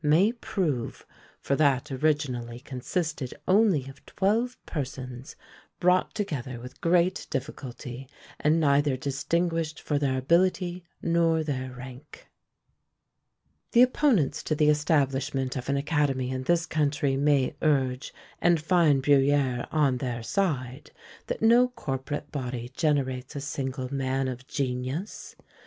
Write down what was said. may prove; for that originally consisted only of twelve persons, brought together with great difficulty, and neither distinguished for their ability nor their rank. The opponents to the establishment of an academy in this country may urge, and find BruyÃẀre on their side, that no corporate body generates a single man of genius.